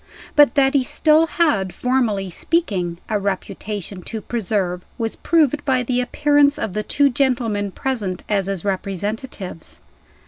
But that he still had, formally speaking, a reputation to preserve, was proved by the appearance of the two gentlemen present as his representatives.